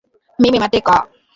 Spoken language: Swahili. mimi mateka